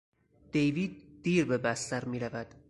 دیوید دیر به بستر میرود.